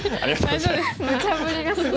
大丈夫ですか。